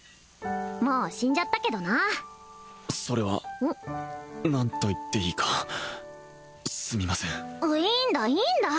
もう死んじゃったけどなそれは何と言っていいかすみませんいいんだいいんだ